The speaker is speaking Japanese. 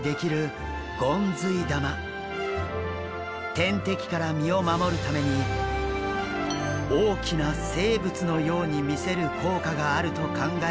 天敵から身を守るために大きな生物のように見せる効果があると考えられています。